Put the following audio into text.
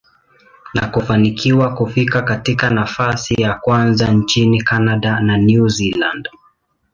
na kufanikiwa kufika katika nafasi ya kwanza nchini Canada na New Zealand.